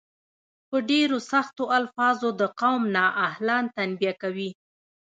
په ډیرو سختو الفاظو د قوم نا اهلان تنبیه کوي.